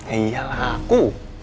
iya lah aku